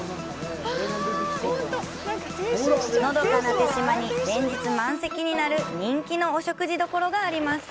のどかな豊島に、連日満席になる人気のお食事処があります。